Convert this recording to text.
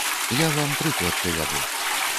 Я вам прыклад прывяду.